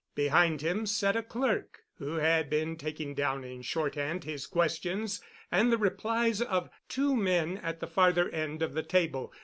Behind him sat a clerk who had been taking down in shorthand his questions and the replies of two men at the farther end of the table.